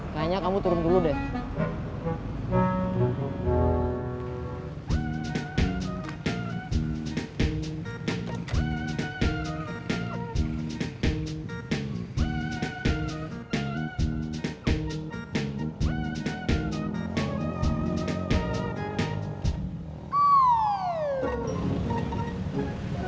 kayaknya kamu turun dulu deh